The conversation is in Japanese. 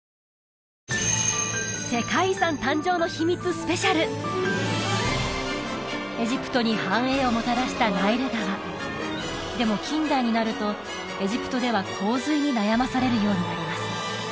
スペシャルエジプトに繁栄をもたらしたナイル川でも近代になるとエジプトでは洪水に悩まされるようになります